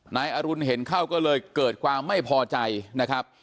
นายอรุณเห็นเข้าก็เลยเกิดความไม่พอใจนะครับ